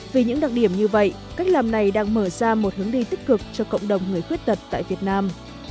vì những đặc điểm như vậy cách làm này đang mở ra một hướng đi tích cực cho cộng đồng người khuyết tật tại việt nam